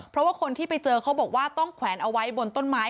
เพราะว่าคนที่ไปเจอเขาบอกว่าต้องแขวนเอาไว้บนต้นไม้